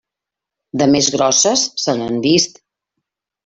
De més grosses se n'han vist.